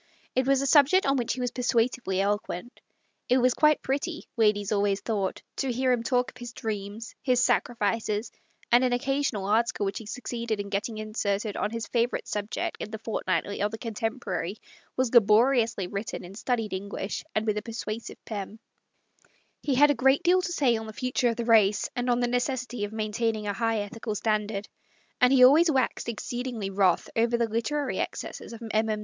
It was a subject on which he was persuasively eloquent. It was quite pretty, ladies always thought, to hear him talk of his MART 8 LOVER. IV} dreams, his sacrifices ; and an occasional article which he succeeded in getting inserted on his favourite subject in the Fortnightly or the Contemporary j was laboriously written in studied English, and with a convincing, patriotic pen. He had a great deal to say on the future of the race, and of the necessity of maintaining a high ethical standard, and he always waxed exceedingly wrath over the literary excesses of MM.